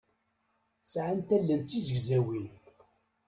Sɛant allen d tizegzawin.